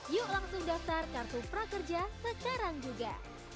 yuk langsung daftar kartu prakerja sekarang juga